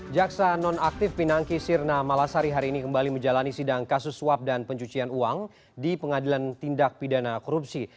jaksa non aktif pinangki sirna malasari hari ini kembali menjalani sidang kasus suap dan pencucian uang di pengadilan tindak pidana korupsi